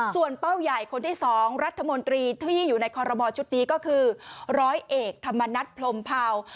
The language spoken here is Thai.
ส่วนเป้าใหญ่คนที่๒รัฐมนตรีที่อยู่ในคอรมอชุดนี้ก็คือร้อยเอกธรรมนัฐพรมเผา